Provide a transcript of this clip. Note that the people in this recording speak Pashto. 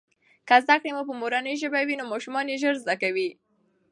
که زده کړې په مورنۍ ژبه وي نو ماشومان یې ژر زده کوي.